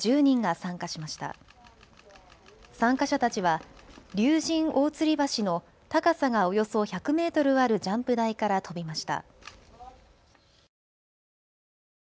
参加者たちは竜神大吊橋の高さがおよそ１００メートルあるジャンプ台から飛びました。